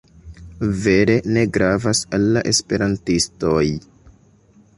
Vere ne gravas al la Esperantistoj.